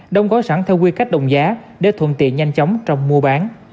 đông gói sẵn theo quy cách đồng giá để thuận tiện nhanh chóng trong mua bán